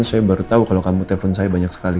saya baru tahu kalau kamu telpon saya banyak sekali